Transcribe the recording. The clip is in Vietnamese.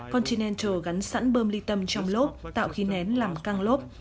continental gắn sẵn bơm ly tâm trong lốp tạo khí nén làm căng lốp